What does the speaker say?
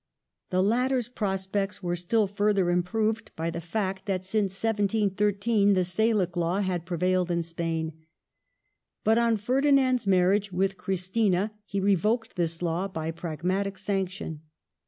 The latter's prospects were still further improved by the fact that since 1713 the Salic law had prevailed in Spain. But on Ferdinand's marriage with Christina he revoked this law by Prag matic Sanction.